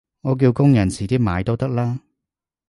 你叫工人遲啲買都得啦